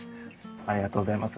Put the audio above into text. ありがとうございます。